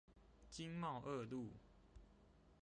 經貿二路